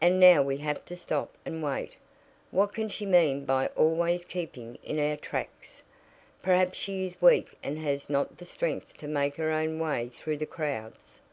And now we have to stop and wait. What can she mean by always keeping in our tracks? Perhaps she is weak and has not the strength to make her own way through the crowds."